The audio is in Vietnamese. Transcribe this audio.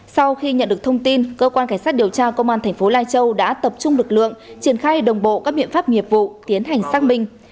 sau khi nhận được thông tin cơ quan cảnh sát điều tra công an thành phố lai châu đã tập trung lực lượng triển khai đồng bộ các biện pháp nghiệp vụ tiến hành xác minh